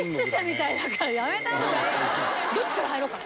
どっちから入ろうか。